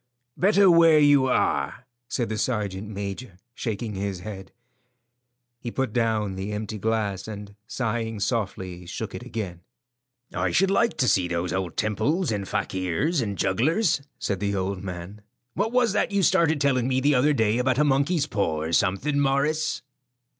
"Better where you are," said the sergeant major, shaking his head. He put down the empty glass, and sighing softly, shook it again. "I should like to see those old temples and fakirs and jugglers," said the old man. "What was that you started telling me the other day about a monkey's paw or something, Morris?"